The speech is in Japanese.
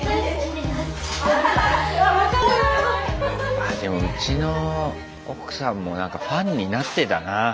あでもうちの奥さんも何かファンになってたな。